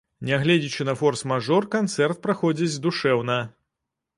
Нягледзячы на форс-мажор, канцэрт праходзіць душэўна.